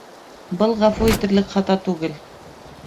Был ғәфү итерлек хата түгел